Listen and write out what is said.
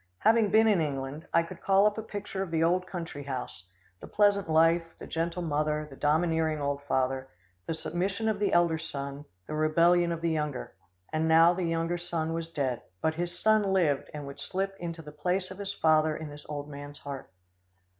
Having been in England, I could call up a picture of the old country house, the pleasant life, the gentle mother, the domineering old father, the submission of the elder son, the rebellion of the younger and now the younger son was dead, but his son lived and would slip into the place of his father in this old man's heart.